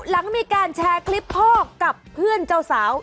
หลังมีการแชร์คลิปพ่อกับเพื่อนเจ้าสาว